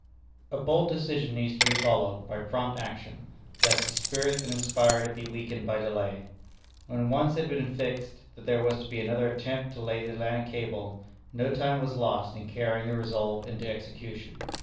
A bold decision needs to be followed by prompt action, lest the spirit that inspired it be weakened by delay. When once it had been fixed that there was to be another attempt to lay the Atlantic cable, no time was lost in carrying the resolve into execution.